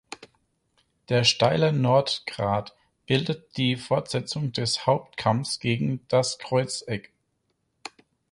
Der steile Nordgrat bildet die Fortsetzung des Hauptkamms gegen das Kreuzeck.